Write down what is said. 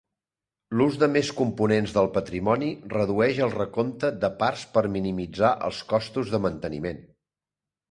L'ús de més components del patrimoni redueix el recompte de parts per minimitzar els costos de manteniment.